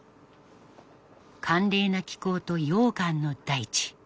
寒冷な気候と溶岩の大地。